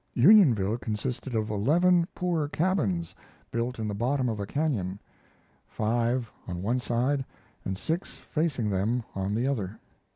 Unionville consisted of eleven poor cabins built in the bottom of a canon, five on one side and six facing them on the other.